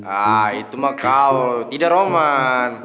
ah itu mah kau tidak roman